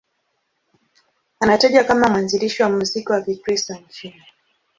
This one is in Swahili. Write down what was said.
Anatajwa kama mwanzilishi wa muziki wa Kikristo nchini.